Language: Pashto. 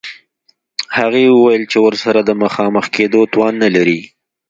هغې وویل چې ورسره د مخامخ کېدو توان نلري